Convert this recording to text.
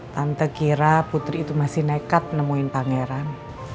tante kira putri itu masih nekat menemuin pangeran